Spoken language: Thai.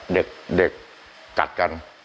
เด็กกัดกัน